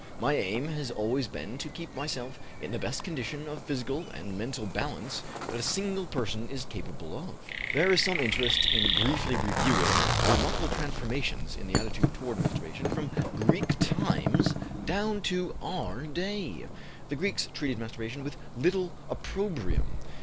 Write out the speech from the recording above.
My aim has always been to keep myself in the best condition of physical and mental balance that a single person is capable of." There is some interest in briefly reviewing the remarkable transformations in the attitude toward masturbation from Greek times down to our own day. The Greeks treated masturbation with little opprobrium.